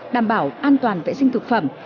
đảm bảo an toàn vệ sinh thực phẩm